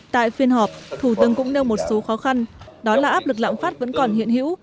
tại phiên họp thủ tướng cũng nêu một số khó khăn đó là áp lực lãng phát vẫn còn hiện hữu